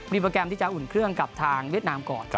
มีโปรแกรมที่จะอุ่นเครื่องกับทางเวียดนามก่อน